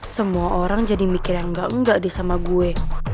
semua orang jadi mikir yang gak enggak deh sama gue